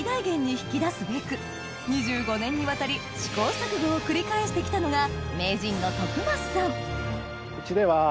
２５年にわたり試行錯誤を繰り返して来たのが名人の徳増さんうちでは。